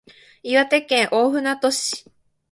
岩手県大船渡市